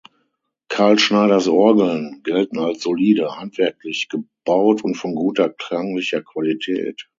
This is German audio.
Carl Schneiders Orgeln gelten als solide handwerklich gebaut und von guter klanglicher Qualität.